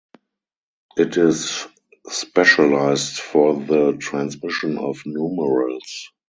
It is specialized for the transmission of numerals.